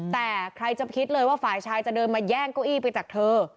แต่ใครจะคิดเลยว่าฝ่ายชายจะเดินมาแย่งเก้าอี้ไปจากเธอ